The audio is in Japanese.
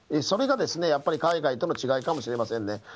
それがやっぱり海外との違いかもしれないですね。